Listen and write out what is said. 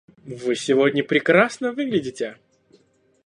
Вы сегодня прекрасно выглядите!